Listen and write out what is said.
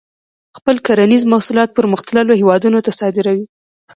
خپل کرنیز محصولات پرمختللو هیوادونو ته صادروي.